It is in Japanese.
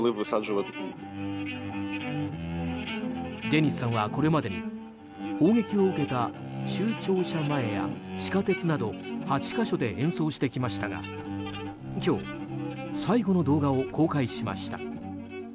デニスさんはこれまでに砲撃を受けた州庁舎前や地下鉄など８か所で演奏してきましたが今日最後の動画を公開しました。